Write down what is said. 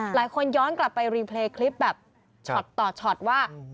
หลายคนย้อนกลับไปรีเพลย์คลิปแบบช็อตต่อช็อตว่า